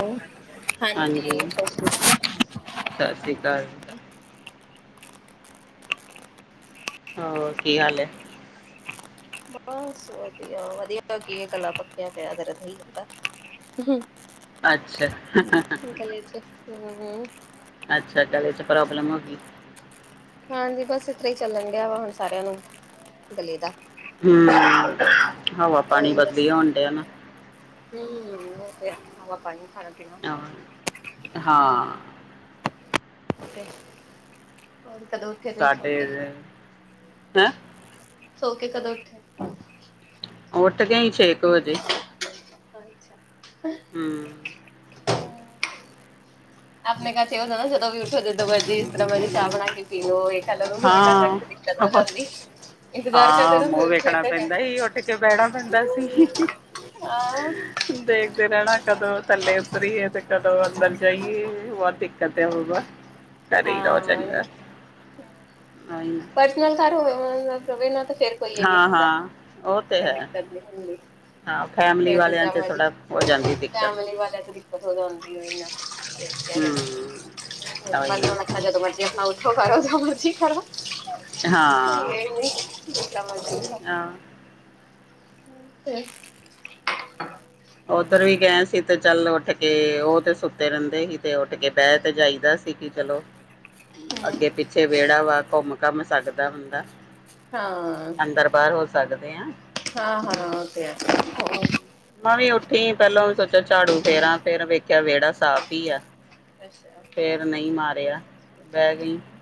ਹੋ ਹਾਂਜੀ ਸਤਸ਼ਰੀ ਸਤਿ ਸ੍ਰੀ ਅਕਾਲ ਅਕਾਲ ਹੋਰ ਕੀ ਹਾਲ ਹੈ ਬਸ ਵਧੀਆ ਵਧੀਆ ਕੀ ਗਲਾ ਪੱਕਿਆ ਪਿਆ ਹਦਾ ਅੱਛਾ ਹਮ ਅੱਛਾ ਚਲੋ ਏਹਦੇ ਚ ਪ੍ਰੋਬਲਮ ਹੋ ਗਈ ਹਾਂਜੀ ਬਸ ਇਸ ਤਰ੍ਹਾਂ ਹੀ ਚੱਲਣ ਡਆ ਵਾ ਹੁਣ ਸਾਰਿਆਂ ਨੂੰ ਗਲੀ ਦਾ ਹਮ ਹਵਾ ਪਾਣੀ ਉਹੀ ਬਦਲੀ ਹੋਣ ਡਿਆਂ ਨਾ ਫਿਰ ਹਵਾ ਪਾਣੀ ਖਾਣਾ ਪੀਣਾ ਆਹ ਹਾਂ ਹੋਰ ਕਦੋਂ ਉੱਥੇ ਤੁਸੀ ਸੌ ਸਾਡੇ ਕੇ ਹੈਂ ਸੋਕੇ ਕਦੋਂ ਉੱਠੇ ਉੱਠ ਗ ਹੀ ਛੇ ਕੁ ਵਜੇ [inaudible] ਹਮ ਆਪਣੇ ਕ ਚ ਉਹੁੰ ਨਾ ਜਦੋਂ ਵੀ ਉੱਠੋ ਜੋ ਮਰਜ਼ੀ ਇਸ ਤਰ੍ਹਾਂ ਮਰਜ਼ੀ ਚਾਹ ਬਣਾ ਕੇ ਪੀਓ ਚੱਲ ਜਾ ਹਾਂ ਕੇ ਦਿੱਕਤ ਹੋ ਜਾਂਦੀ ਇੱਕਦਾਰ ਕ ਹਾਂ ਤੇ ਹੋ ਮੂੰਹ ਵੇਖਣਾ ਖੇਟ ਨੇ ਪੈਂਦਾ ਹੀ ਉੱਠ ਕੇ ਬਹਿਣਾ ਪੈਂਦਾ ਸੀ [unintelligible] ਆਓ ਦੇਖਦੇ ਰਹਿਣਾ ਕਦੋਂ ਥੱਲੇ ਉਤਰੀਏ ਤੇ ਕਦੋਂ ਅੰਦਰ ਜਾਈਏ ਵਧ ਦਿੱਕਤ ਹੈ ਬਗਾ ਘਰੇ ਹੀ ਰਹੋ ਹਾਂ ਚੰਗਾ ਪਰਸਨਲ ਘਰ ਹੋਇ [unintelligible] ਨਾ ਤਾਂ ਫਿਰ ਕੋਈ ਇਹ ਨਹੀਂ ਹਾਂ ਹੁੰਦਾ ਹਾਂ ਉਹ ਤੇ ਹੈ ਦਿੱਕਤ ਨੀ ਹੁੰਦੀ ਹਾਂ ਫੈਮਲੀ ਫੇਰ ਵਾਲਿਆਂ ਜਿਸਤਰਾਂ ਚ ਮਰਜੀ ਥੋੜਾ ਹੋ ਜਾਂਦੀ ਦਿੱਕਤ ਫੈਮਲੀ ਵਾਲੇ ਤੇ ਦਿੱਕਤ ਹੋ ਜਾਂਦੀਨਾ ਹਮ ਪ ਉਹੀ ਨਾ [unintelligible] ਲੱਖਣਾ ਜਦੋਂ ਮਰਜੀ ਆਪਣਾ ਉਠੋ ਕਰੋ ਜਦੋਂ ਮਰਜ਼ ਕਰੋ ਹਾਂ ਜਿਸਤਰਾਂ ਮਰਜੀ ਕਰੋ ਆਹ ਤੇ ਓਧਰ ਵੀ ਗਏ ਸੀ ਤੇ ਚੱਲ ਉੱਠ ਕੇ ਉਹ ਤੇ ਸੁੱਤੇ ਰਹਿੰਦੇ ਸੀ ਤੇ ਉੱਠ ਕੇ ਬਹਿ ਤੇ ਜਾਈਦਾ ਸੀ ਸੀ ਕਿ ਚਲੋ ਅੱਗੇ ਪਿੱਛੇ ਵਿੇਹੜਾ ਵਾ ਘੁੰਮ ਘਮ ਸਕਦਾ ਹੁੰਦਾ ਹਾਂ ਸਕਦੇ ਹਾਂ ਹਾਂ ਹਾਂ ਉਹ ਤੇ ਹੈ ਮੈਂ ਉੱਠੀ ਪਹਿਲਾਂ ਸੋਚਿਆ ਝਾੜੂ ਫੇਰਾਂ ਫੇਰ ਵੇਖਿਆ ਵਿਹੜਾ ਸਾਫ਼ ਹੀ ਆ ਅੱਛਾ ਫਿਰ ਨਹੀਂ ਮਾਰਿਆ ਬਹਿ ਗਈ। ਹੂੰ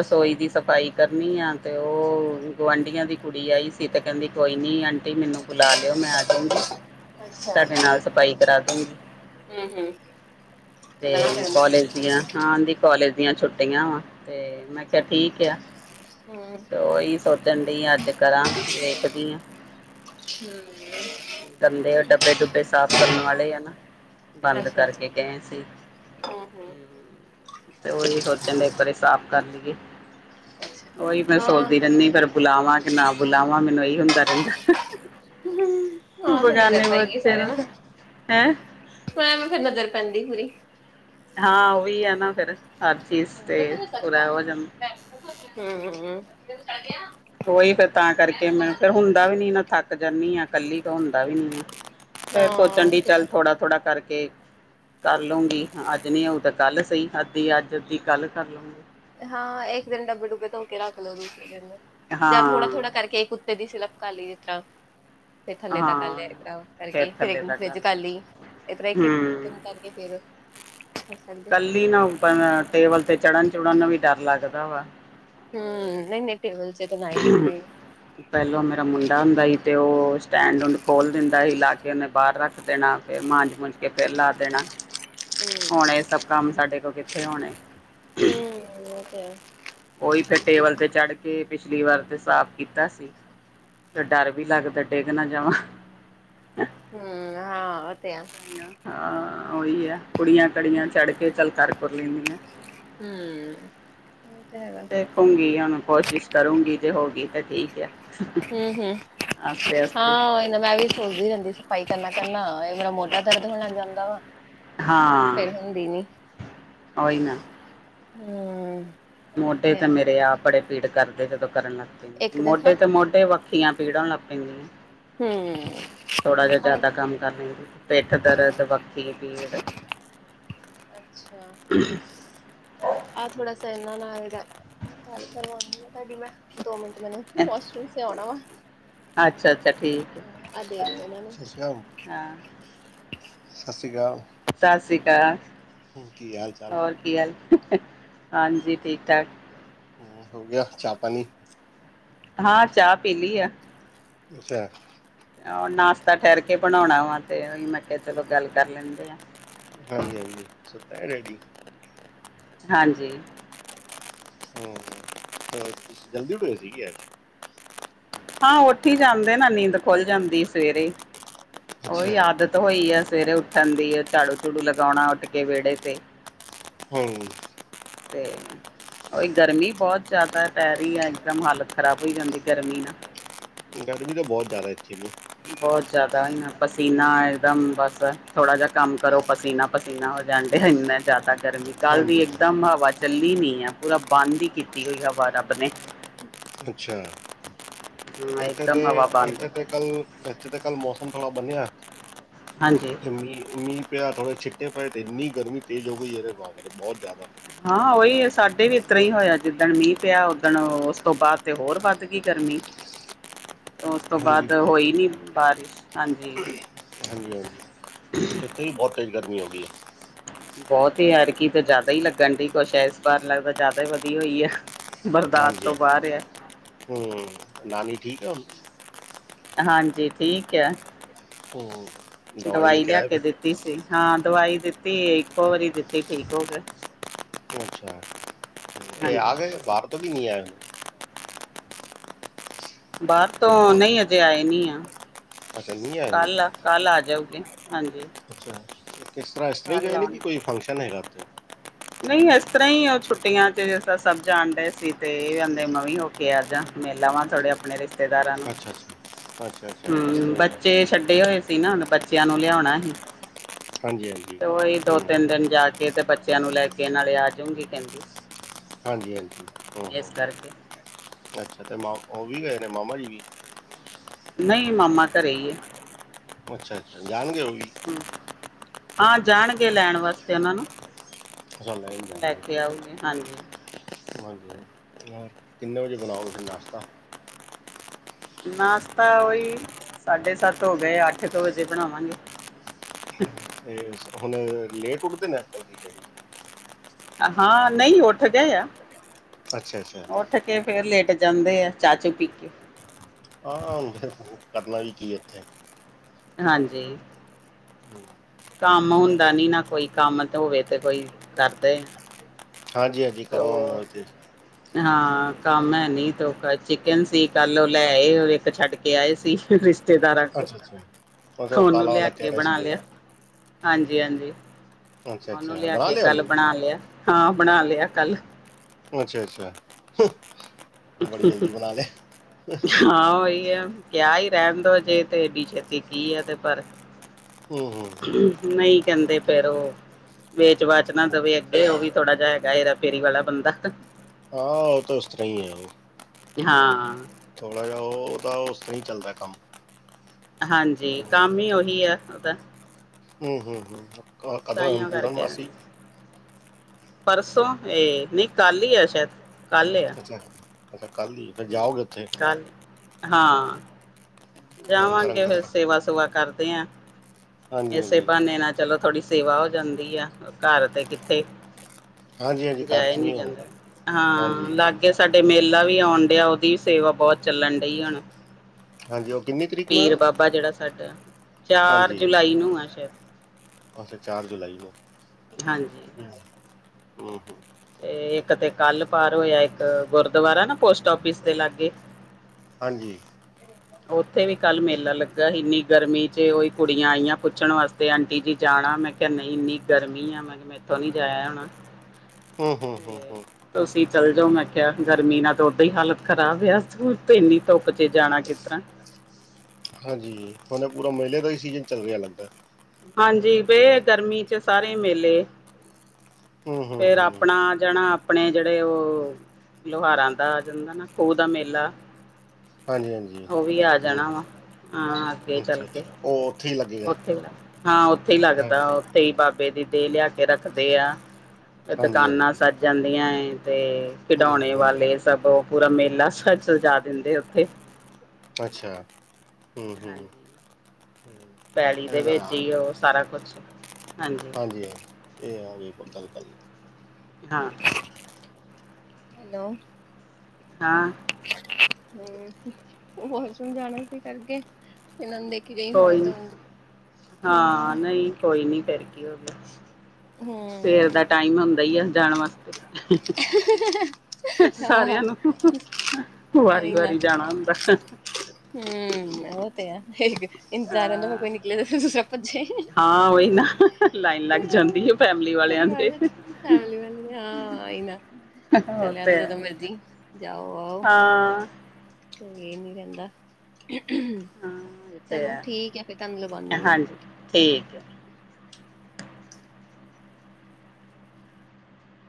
ਅੱਛਾ ਦੀ ਸਫ਼ਾਈ ਕਰਨੀ ਆ। ਤੇ ਉਹ ਗੁਆਂਢੀਆਂ ਦੀ ਕੁੜੀ ਆਈ ਸੀ ਤੇ ਕਹਿੰਦੀ ਕੋਈ ਨੀ ਆਂਟੀ ਮੈਨੂੰ ਬੁਲਾ ਲਿਓ ਮੈਂ ਆ ਜਾਊਂਗੀ ਅੱਛਾ ਤੁਹਾਡੇ ਨਾਲ ਸਫਾਈ ਕਰਾ ਦਊਂਗੀ। ਹੂੰ ਹੂੰ ਤੇ ਸਧਣਾ ਹੂੰ ਕਾਲਜ ਦੀਆਂ ਹਾਂਦੀ ਕੋਲਜ ਦੀਆਂ ਛੁੱਟੀਆਂ ਤੇ ਮੈਂ ਕਿਹਾ ਠੀਕ ਆ ਹੂੰ ਤੇ ਉਹੀ ਸੋਚਣ ਦੀ ਅੱਜ ਕਰਾਂ ਵੇਖਦੀ ਆ ਹਮ [inaudible] ਕਰਦੇ ਡੱਬੇ ਡੁੱਬੇ ਸਾਫ਼ ਕਰਨ ਵਾਲੇ ਹੈ ਨਾ ਬੰਦ ਅੱਛਾ ਕਰਕੇ ਗਏ ਸੀ। ਹੂੰ ਹੂੰ ਤੇ ਉਹੀ ਸੋਚਣ ਡ ਇੱਕ ਵਾਰੀ ਸਾਫ਼ ਕਰ ਲਈਏ। ਅੱਛਾ [inaudible] ਓਹੀ ਮੈਂ ਹਾਂ ਸੋਚਦੀ ਹੋਈ ਰਹਿੰਦੀ ਜਾਂਦਾ ਪਰ ਬੁਲਾਵਾਂ ਕਿ ਨਾ ਬੁਲਾਵਾਂ ਮੈਨੂੰ ਇਹੀ ਹੁੰਦਾ ਰਹਿੰਦਾ ਹਾਂ ਫਿਰ ਨਜ਼ਰ ਬੇਗਾਨੇ ਪਾਈ ਗਈ ਬੱਚੇ ਸਾਰਿਆਂ ਨੂੰ ਹੈਂ ਮੈਂ ਵੀ ਫਿਰ ਨਜ਼ਰ ਪੈਂਦੀ ਬਰੀ ਹਾਂ ਉਹੀ ਹੈ ਨਾ ਫਿਰ ਹਰ ਚੀਜ਼ ਹੂੰ ਤੇ ਪੂਰਾ ਹੋ ਜਾਂਦਾ ਹਮ ਉਹੀ ਫੇਰ ਤਾਂ ਕਰਕੇ ਮੈੂ ਫਿਰ ਹੁੰਦਾ ਵੀ ਨੀ ਨਾ ਥੱਕ ਜਾਂਦੀ ਆ ਕੱਲੀ ਤਾਂ ਹੁੰਦੀ ਵੀ ਨ ਫਰ ਹਾਂ ਸੋਚਣ ਡ ਫਿਰ- ਚੱਲ ਥੋੜਾ ਥੋੜਾ ਕਰਕੇ ਕਰ ਲਊਗੀ ਅੱਜ ਨੀ ਆਊ ਤਾਂ ਕੱਲ ਸਹੀ ਅੱਧੀ ਅੱਜ ਅੱਧੀ ਕੱਲ ਕਰ ਲਊਗੀ ਹਾਂ ਇੱਕ ਦਿਨ ਡੱਬੇ ਡੁੱਬੇ ਧੋ ਕੇ ਰੱਖ ਲਓ ਦੂਸਰੇ ਦਿਨ ਜਾਂ ਹਾਂ ਥੋੜਾ ਥੋੜਾ ਕਰਕੇ ਇੱਕ ਕੁੱਤੇ ਦੀ ਸਿਲਪ ਕਰ ਲਈਏ ਜਿਸ ਤਰ੍ਹਾਂ ਫਿਰ ਥੱਲੇ ਤ ਕਰ ਹਾਂ ਲਿਆ [unintelligible] ਫੇਰ ਕਰਕੇ ਫਿਰ ਇੱਕ ਥੱਲੇ ਦਿਨ ਦਾ ਫਰਿੱਜ ਕਰ ਲਈ ਹੂੰ [unintelligible] ਕੱਲੀ ਨਾ ਟੇਬਲ ਤੇ ਚੜ੍ਹਨ ਚੁੜਨ ਨੂੰ ਵੀ ਡਰ ਲੱਗਦਾ ਵਾ ਹੰ ਨੀ ਨੀ ਪਹਿਲੋਂ ਮੇਰਾ ਮੁੰਡਾ ਹੁੰਦਾ ਈ ਤੇ ਉਹ ਸਟੈਂਡ ਉਡ ਖੋਲ ਦਿੰਦਾ ਸੀ ਲਾ ਕੇ ਉਹਨੇ ਬਾਹਰ ਰੱਖ ਦੇਣਾ ਫਿਰ ਮਾਂਜ ਮੂੰਜ ਕੇ ਫਿਰ ਲਾ ਦੇਣਾ ਹੂੰ ਹੋਣੇ ਸਭ ਕੰਮ ਸਾਡੇ ਕੋਲ ਕਿੱਥੇ ਹੋਣੇ, ਹੂੰ, ਉਹ ਤੇ ਹੈ। ਉਹੀ ਫਿਰ ਟੇਬਲ ਤੇ ਚੜ੍ਹ ਕੇ ਪਿਛਲੀ ਵਾਰ ਤੇ ਸਾਫ਼ ਕੀਤਾ ਸੀ। ਤੇ ਡਰ ਵੀ ਲੱਗਦਾ ਡਿੱਗ ਨਾ ਜਾਵਾਂ। ਹੂੰ ਹਾਂ ਉਹ ਤੇ ਆ ਹਾਂ ਉਹੀ ਹੈ ਕੁੜੀਆਂ ਕੜੀਆਂ ਚੜ੍ਹ ਕੇ ਚੱਲ ਕਰ ਕੁਰ ਲੈਂਦੀਆਂ ਹਮ ਦੇਖੂਗੀ ਹੁਣ ਕੋਸ਼ਿਸ਼ ਕਰੂਗੀ ਜੇ ਹੋਗੀ ਤਾਂ ਠੀਕ ਆ ਹਮ ਹਮ ਆਸਤੇ ਆਸਤੇ ਹਾਂ ਇਹਨਾ ਮੈਂ ਵੀ ਸੁਚਦੀ ਰਹਿੰਦੀ ਸਫਾਈ ਤੇ ਮੈਂ ਕਹਿੰਨਾ ਮੇਰਾ ਮੋਡਾ ਦਰਦ ਹੋਣਾ ਜਾਂਦਾ ਵਾ ਹਾਂ ਫਿਰ ਹੁੰਦੀ ਨੀ। ਉਹੀ ਨਾ ਹੰ ਮੋਢੇ ਤੇ ਮੇਰੇ ਆਪ ਬੜੇ ਪੀੜ ਕਰਦੇ ਜਦੋਂ ਕਰਨ ਲੱਗ [unintelligible] ਇੱਕ ਦਿਨ ਹਾਂ ਮੋਢੇ ਤੇ ਮੋਢੇ ਵੱਖੀਆਂ ਪੀੜ ਹੋਣ ਲਗ [unintelligible] [unintelligible] ਹਮ। ਥੋੜਾ ਜਿਹਾ ਜ਼ਿਆਦਾ ਕੰਮ ਕਰਨ [unintelligible] ਪਿੱਠ ਹਾਂ ਦਰਦ ਵੱਖੀ ਪੀੜ ਅੱਛਾ ਆ ਥੋੜਾ ਸ [unintelligible] ਗੱਲ ਕਰਵਾਉਣੀ ਆ ਤੁਹਾਡੀ ਮੈਂ ਦੋ ਮਿੰਟ ਮੈਨੂੰ [unintelligible] [inaudible] ਤੇ ਆਉਣਾ ਵਾ ਅੱਛਾ ਅੱਛਾ ਠੀਕ ਹੈ ਹਾਂ [unintelligible] ਸਾਸਈ ਅਕਾਲ। ਸਤਿ ਸ਼੍ਰੀ ਅਕਾਲ, ਹੋ ਕੀ ਹਾਲ ਚਾਲ? ਹੋਰ ਕੀ ਹਾਲ ਹਾਂਜੀ, ਠੀਕ-ਠਾਕ ਹੋ ਗਿਆ ਚਾਹ ਪਾਣੀ ਹਾਂ ਚਾਹ ਪੀਲੀ ਆ। ਤਾਂ। ਆਹ ਨਾਸ਼ਤਾ ਠਹਿਰ ਕੇ ਬਣਾਣਾ ਵਾ ਤੇ ਉਹੀ ਮੈਂ ਕਿਹਾ ਚਲੋ ਗੱਲ ਕਰ ਲੈਂਨੇ ਆ ਹਾਂਜੀ-ਹਾਂਜੀ, ਸੁਤਾ ਹੈ ਡੈਡੀ ਹਾਂਜੀ। ਜਲਦੀ ਉਠੇ ਸੀਗੇ ਅ [inaudible] ਹਾਂ ਉੱਠੀ ਜਾਂਦੇ ਨਾ ਨੀਂਦ ਖੁੱਲ ਜਾਂਦੀ ਸਵੇਰੇ ਉਹੀ ਅੱਛਾ ਆਦਤ ਹੋਈ ਹੈ ਸਵੇਰੇ ਉੱਠ। ਠਾਦੀ ਐ ਝਾੜੂ-ਝੂੜੂ ਲਗਾਣਾ ਉੱਠ ਕੇ ਵਿਹੜੇ ਤੇ, ਹੂੰ, ਤੇ। ਹੀ ਗਰਮੀ ਬਹੁਤ ਜ਼ਿਆਦਾ ਪੈ ਰਹੀ ਹੈ ਇਕਦਮ ਹਾਲਤ ਖ਼ਰਾਬ ਹੋ ਜਾਂਦੀ ਗਰਮੀ ਨਾਲ। ਗਰਮੀ ਵੀ ਤਾਂ ਬਹੁਤ ਜ਼ਿਆਦਾ ਇੱਥੇ, ਬਹੁਤ ਜਿਆਦਾ ਐਨਾ ਪਸੀਨਾ ਇੱਕਦਮ ਬਸ ਥੋੜਾ ਜਿਆ ਕੰਮ ਕਰੋ ਪਸੀਨਾ-ਪਸੀਨਾ। ਹੋ ਜਾਂਣਦੇ ਐਨਾ ਜ਼ਿਆਦਾ ਤੱਕ। ਗਰਮੀ ਕੱਲ ਦੀ ਹਾਂਜੀ ਇੱਕਦਮ ਹਵਾ ਚੱਲੀ ਨੀ ਹੈ, ਪੂਰਾ ਬੰਦ ਹੀ ਕੀਤੀ ਹੋਈ ਹਵਾ ਰੱਬ ਨੇ। ਅੱਛਾ। ਹਾਂ ਇੱਥੇ ਤੇ ਇੱਕਦਮ ਹਵਾ ਬੰਦ ਇੱਥੇ ਤੇ ਕੱਲ ਇੱਥੇ ਤੇ ਕੱਲ ਮੌਸਮ ਥੋੜਾ ਬਣਿਆ। ਹਾਂਜੀ [unintelligible] ਪਿਆ ਥੋੜ੍ਹੇ ਛਿੱਟੇ ਪਏ ਇੰਨੀ ਗਰਮੀ ਤੇਜ਼ ਹੋ ਗਈ ਹੈ ਇਹਦੇ ਬਹੁਤ ਜ਼ਿਆਦਾ। ਹਾਂ ਉਹੀ ਸਾਡੇ ਵੀ ਇਸਤਾ ਹੀ ਹੋਇਆ ਜਿੱਦਣ ਮੀਂਹ ਪਿਆ ਉਦਣ ਉਸ ਤੋਂ ਬਾਅਦ ਤੇ ਹੋਰ ਵੱਧ ਗੀ ਗਰਮੀ, ਅ। ਉਸ ਤੋਂ ਹਾਂਜੀ ਬਾਅਦ ਬਹੁਤ ਹੋਈ ਨੀ ਬਾਰਿਸ਼ ਹਾਂਜੀ। ਹਾਂਜੀ ਹਾਂਜੀ ਇੱਥੇ ਵੀ ਬਹੁਤ ਤੇਜ਼ ਗਰਮੀ ਹੋ ਗਈ ਹੈ। ਬਹੁਤ ਹੀ ਯਾਰ ਕਿ ਤਾਂ ਜ਼ਿਆਦਾ ਹੀ ਲੱਗਣ ਡ ਕੁਛ ਹੈ, ਇਸ ਬਾਰ ਲੱਗਦਾ ਜ਼ਿਆਦਾ ਹੀ ਵਧੀਆ ਹੋਈ ਆ। ਬਰਦਾਸ਼ਤ ਹਾਂਜੀ ਹਾਂਜੀ, ਤੋਂ ਬਾਹਰ ਆ ਹਮ। ਨਾਨੀ ਠੀਕ ਆ ਹੁਨ। ਹਾਂਜੀ ਠੀਕ ਆ, ਹੂੰ। ਲੈ ਦਵਾਈ ਲਿਆ ਆਏ ਕੇ ਫਿਰ ਦਿੱਤੀ ਸੀ। ਹਾਂ ਦਵਾਈ ਦਿੱਤੀ, ਇੱਕੋ ਵਾਰੀ ਦਿੱਤੀ ਠੀਕ ਹੋ ਗਏ। ਅੱਛਾ ਇਹ ਹਾਂਜੀ ਆਗੇ ਬਾਰ ਤੋਂ ਕੀ ਨਹੀਂ ਆਏ, ਬਾਹਰ ਤੋਂ ਬਾ- ਨਹੀਂ ਅਜੇ ਆਏ ਨੀ ਆ ਅੱਛਾ ਨਹੀਂ ਆਏ ਹੁਣ ਕੱਲ ਆ ਕੱਲ ਆ ਜਾਊਗੇ। ਹਾਂਜੀ, ਅੱਛਾ, ਇਸ ਤਰ੍ਹਾਂ ਇਸ ਤਰ੍ਹਾਂ ਹੀ ਕੱਲ ਗਏ ਨੇ ਆਉਣ ਕਿ ਕੋਈ ਫੰਕਸ਼ਨ ਹੈਗਾ? ਓਥੇ ਨਹੀਂ ਇਸ ਤਰ੍ਹਾਂ ਹੀ ਉਹ ਛੁੱਟੀਆਂ ਚ ਜਿਸ ਤਰ੍ਹਾਂ ਸਭ ਜਾਣ ਦਏ ਸੀ ਤੇ ਇਹ ਕਹਿੰਦੇ ਮੈ ਵੀ ਹੋਕੇ ਆਜਾ। ਮੇਲਾ ਵਾਂ ਥੋੜੇ ਆਪਣੇ ਰਿਸ਼ਤੇਦਾਰਾਂ ਨੂੰ ਅੱਛਾ ਅੱਛਾ ਅੱਛਾ ਅੱਛਾ ਇਸ ਹੂੰ ਤਰ੍ਹਾਂ ਹੀ ਗਏ ਬੱਚੇ ਛੱਡੇ ਹੋਏ ਸੀ ਨਾ ਹੁਣ ਬੱਚਿਆਂ ਨੂੰ ਲਿਆਉਣਾ ਹੀ। ਹਾਂਜੀ ਹਾਂਜੀ ਤੇ ਉਹੀ ਦੋ ਹੂੰ ਤਿੰਨ ਦਿਨ ਜਾ ਕੇ ਤੇ ਬੱਚਿਆਂ ਨੂੰ ਲੈ ਕੇ ਨਾਲੇ ਆਜਊਗੀ ਕਹਿੰਦੀ। ਹਾਂਜੀ-ਹਾਂਜੀ ਇਸ ਹੂੰ-ਹੂੰ, ਕਰਕੇ ਅੱਛਾ ਅਤੇ। ਉਹ ਵੀ ਗਏ ਨੇ ਮਾਮਾ ਜੀ ਵੀ, ਨਹੀਂ ਮਾਮਾ ਘਰੇ ਹੀ ਹੈ, ਅੱਛਾ-ਅੱਛਾ ਜਾਣਗੇ ਉਹ ਵੀ, ਆ ਜਾਣਗੇ ਲੈਣ ਵਾਸਤੇ ਉਹਨਾਂ ਨੂੰ, ਲਗਦੇ ਲੈ ਹਾਜੀ, ਕੇ ਆਊਗੀ ਹਾਂਜੀ ਕਿੰਨੇ ਵਜੇ ਬਣਾਓ ਤੁਸੀ ਨਾਸ਼ਤਾ? ਨਾਸ਼ਤਾ ਉਹੀ ਸਾਢੇ ਸੱਤ ਹੋ ਗਏ ਅੱਠ ਕੁ ਵਜੇ ਬਣਾਵਾਂਗੇ। ਹ ਹੁਣ ਲੇਟ ਉਠ ਤੇ ਨੈ, ਹਾਂ ਨਹੀਂ ਉੱਠ ਗਏ ਆ ਅੱਛਾ ਅੱਛਾ ਉੱਠ ਕੇ ਫੇਰ ਲੇਟ, ਜਾਂਦੇ ਆ ਚਾ ਚੂ ਪੀ ਕੇ। ਹਾਂ ਮੈਂ-ਹ ਕਰਨਾ ਵੀ ਕੀ ਇੱਥੇ। ਹਾਂਜੀ। ਹੂੰ। ਕੰਮ ਹੁੰਦਾ ਨੀ ਨਾ ਕੋਈ, ਕੰਮ ਤੇ ਹੋਵੇ ਤੇ ਕੋਈ ਕਰ ਦਏ। ਹਾਂਜੀ ਹਾਂਜੀ ਕਾਵਾਂ ਮੋ ਇੱਥੇ ਹਾਂ ਕੰਮ ਹੈ ਨੀ ਤੋ ਚਿਕਨ ਸੀ, ਕੱਲ ਉਹ ਲੈ ਆਏ ਔਰ ਇੱਕ ਛੱਡ ਕੇ ਆਏ ਸੀ। ਰਿਸ਼ਤੇਦਾਰਾਂ ਕੋ, ਅੱਛਾ ਅੱਛਾ ਅੱਛਾ ਉਹ ਉਹਨੂੰ ਕਾਲਾ ਲਿਆ ਵਾਲਾ ਕਹਿ ਕੇ ਰਿਹਾ ਸੀ ਬਣਾ ਲਿਆ। ਜਿਹੜਾ ਹਾਂਜੀ, ਹਾਂਜੀ। ਅੱਛਾ ਉਹਨੂੰ ਅੱਛਾ ਲਿਆ ਬਣਾ ਕੇ ਕੱਲ ਉਹਨੂੰ ਬਣਾ ਲਿਆ, ਹਾਂ ਬਣਾ ਲਿਆ ਕੱਲ। ਅੱਛਾ ਅੱਛਾ। ਹ ਬੜੀ ਜਲਦੀ ਬਣਾ ਲਿਆ। ਹਾਂ ਉਈ ਐ, ਕਿਆ ਈ ਰਹਿਣ ਦੋ ਅਜੇ ਤੇ ਏਡੀ ਛੇਤੀ ਕੀ ਆ ਤੇ ਪਰ ਹੂੰ ਹੂੰ ਹਾਂ ਨਹੀਂ ਕੈਂਦੇ ਫੇਰ ਓਹ ਵੇਚ ਵਾਚ ਨਾ ਦਵੇ ਅੱਗੇ, ਉਹ ਵੀ ਥੋੜਾ ਜਾ ਹੈਗਾ ਹੇਰਾ ਫੇਰੀ ਵਾਲਾ ਬੰਦਾ। ਹਾਂ ਓਹ ਤਾਂ ਉਸ ਤਰ੍ਹਾਂ ਈ ਆਂ। ਹਾਂ। ਥੋੜਾ ਜਿਹਾ ਓਹ ਓਦਾ ਓਸ ਤਰ੍ਹਾਂ ਈ ਚੱਲਦਾ ਐ ਕੰਮ। ਹਾਂਜੀ ਕੰਮ ਈ ਓਹੀ ਆ ਓਦਾ। ਹਮ ਹਮ ਹਮ ਕ ਕਦੋਂ ਐ ਕਰਕੇ ਪੂਰਨਮਾਸੀ। ਪਰਸੋਂ, ਏ ਨਹੀਂ ਕੱਲ ਈ ਆ ਸੈ਼ਦ। ਅੱਛਾ। ਅੱਛਾ ਕੱਲ ਹੀ ਫਿਰ ਹਮ, ਜਾਓਗੇ ਉੱਥੇ ਕਲ ਹਾਂ, ਲੰਗਰ ਜਾਵਾਂਗੇ ਅੰਗਰ ਫਿਰ ਤੱਕ ਸੇਵਾ ਸੂਵਾ ਕਰਦੇ ਆਂ। ਹਾਂਜੀ ਏਸੇ ਹਾਂਜੀ ਬਹਾਨੇ ਨਾਲ ਚਲੋ ਥੋੜ੍ਹੀ ਸੇਵਾ ਹੋ ਜਾਂਦੀ ਆ। ਘਰ ਤੇ ਕਿੱਥੇ ਹਾਂਜੀ ਹਾਂਜੀ ਘਰ ਜਾਇਆ ਈ ਚ ਨੀ ਨਹੀਂ ਜਾਂਦਾ। ਹੋਊਗਾ ਹਾਂ, ਹਾਂਜੀ ਲਾਗੇ ਸਾਡੇ ਮੇ ਲਾ ਵੀ ਆਉਣ ਡਿਆ, ਓਦੀ ਵੀ ਸੇਵਾ ਬਹੁਤ ਚੱਲਣ ਡਈ ਹੁਣ। ਹਾਂਜੀ ਉਹ ਕਿੰਨੀ ਤਰੀਕ ਨੂੰ ਹੈ ਪੀਰ ਉਹ? ਬਾਬਾ ਜਿਹੜਾ ਸਾਡਾ। ਚਾਰ ਹਾਂਜੀ ਜੁਲਾਈ ਨੂੰ ਆ ਸੈ਼ਦ ਅੱਛਾ ਚਾਰ ਜੁਲਾਈ ਨੂੰ। ਹਾਂਜੀ ਹਮ, ਹਮ ਹਮ। ਤੇ ਇੱਕ ਤੇ ਕੱਲ ਪਾਰ ਹੋਇਆ, ਇੱਕ ਗੁਰਦੁਆਰਾ ਨਾ ਪੋਸਟ ਆਫਿਸ ਦੇ ਲਾਗੇ। ਹਾਂਜੀ ਉੱਥੇ ਵੀ ਕੱਲ ਮੇਲਾ ਲੱਗਾ ਸੀ ਇੰਨੀ ਗਰਮੀ ਚ ਉਹੀ ਕੁੜੀਆਂ ਆਈਆਂ ਪੁੱਛਣ ਵਾਸਤੇ ਆਂਟੀ ਜੀ ਜਾਣ ਮੈਂ ਕਿਹਾ ਨਹੀਂ ਇੰਨੀ ਗਰਮੀ ਆ ਮੈਂ ਕਿਹਾ ਮੈਂਥੋਂ ਨੀ ਜਾਇਆ ਹੋਣਾ ਹੂੰ ਹੂੰ ਹੂੰ ਤੇ ਹੂੰ ਤੁਸੀਂ ਚਲ ਜੋ ਮੈਂ ਕਿਆ ਗਰਮੀ ਨਾ ਤਾਂ ਓਦਾਂ ਈ ਹਾਲਤ ਖਰਾਬ ਆ ਤੇ ਇੰਨੀ ਧੁੱਪ ਚ ਜਾਣਾ ਕਿ ਤਰ੍ਹਾਂ ਹਾਂਜੀ ਜੀ, ਹੁਨ ਨਾ ਪੂਰਾ ਮੁਹਿਲੇ ਦਾ ਹੀ ਸੀਜਨ ਚੱਲ ਰਿਹਾ ਲੱਗਦਾ। ਹਾਂਜੀ ਬੇ ਗਰਮੀ ਚ ਸਾਰੇ ਮੇਲੇ। ਹੂੰ ਹੂੰ ਫੇਰ ਹੂੰ ਆਪਣਾ ਆ ਜਣਾ ਆਪਣੇ ਜਿਹੜੇ ਓਹੋ ਲੁਹਾਰਾਂ ਦਾ ਆ ਜਾਂਦਾ ਨਾ, ਖੂਹ ਦਾ ਮੇਲਾ। ਹਾਂਜੀ ਹਾਂਜੀ ਉਹ ਵੀ ਆ ਹੂੰ ਜਾਣਾ ਵਾਂ। ਹਾਂ ਅੱਗੇ ਅੱਛਾ ਚੱਲ ਕੇ, ਅੱਛਾ ਉਹ ਉੱਥੇ ਹੀ ਲੱਗੇਗਾ ਉਥੇ। ਹਾਂ ਉੱਥੇ ਈ ਹਾਂ ਲੱਗਦਾ ਉੱਥੇ ਈ ਬਾਬ ਬੇ ਦੀ ਦੇ ਲਿਆ ਕੇ ਰੱਖਦੇ ਆ, ਹਾਂਜੀ ਦੁਕਾਨਾਂ ਹਾਂਜੀ ਸਜ ਜਾਂਦੀਆਂ ਏ। ਤੇ ਹੂੰ ਖਿਡੌਣੇ ਹੂੰ ਵਾਲੇ, ਸਭ ਪੂਰਾ ਮੇਲਾ ਸਜ ਸਜਾ ਦਿੰਦੇ ਉੱਥੇ। ਅੱਛਾ। ਹੂੰ ਹੂੰ ਹਾਂਜੀ। ਪੈਲੀ ਦੇ ਇਹ ਨਾ ਵਿੱਚ ਈ ਓਹ ਸਾਰਾ ਕੁਛ ਹਾਂਜੀ ਹਾਂ। ਇਹ ਆ ਵੀ ਕੋਈ ਗੱਲ ਗੱਲ ਹਾਂ। ਹੈਲੋ। ਹਾਂ। ਹਮ ਹੋਰ ਸਮਝਾਣਾ ਕੀ ਕਰਗੇ, ਇਹਨਾਂ ਦੇ ਕੋਈ ਨਹੀਂ ਹਾਂ ਹੂੰ ਨਹੀਂ ਕੋਈ ਨੀ ਫਿਰ ਕੀ ਹੋ ਗਿਆ ਹੂੰ ਸਵੇਰ ਦਾ ਟਾਈਮ ਹੁੰਦਾ ਆ ਜਾਣ ਵਾਸਤੇ [unintelligible] ਹਾਂ ਸਾਰਿਆਂ ਨੂੰ ਵਾਰੀ ਵਾਰੀ ਜਾਣਾ ਹੁੰਦਾ ਹਮ ਓਤਿਆ ਹੈ ਇੰਜ਼ਾਰਨਾਂ ਮ ਹਾਂ ਕੋਈ ਨਿਕਲੇੱਜੇ ਹਾਂ ਉਹੀ ਨਾ ਲਾਈਨ ਲੱਗ ਜਾਂਦੀ ਹੈ ਫੈਮਲੀ ਵਾਲਿਆਂ ਦੇ ਪਰਿਵਾਰ ਚ ਫੈਮਲੀ ਵਾਲੇ ਨੇ ਹਾਂ ਹੀ ਨਾ ਚ ਉਹ ਤੇ ਲਿਆਦਾ ਹੈ ਜਦੋਂ ਮਰਜ਼ੀ ਜਾਓ ਆਓ ਹਾਂ ਇਹ ਨੀ ਰਹਿੰਦਾ ਹਾਂ ਇਹ ਤੇ ਚਲੋ ਹੈ ਠੀਕ ਆ ਫਿਰ ਤੁਹਾਨੂੰ ਲਵਾਉਦੀ ਆ ਮੈਂ ਹਾਂਜੀ ਠੀਕ ਹੈ